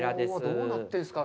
どうなってるんですか。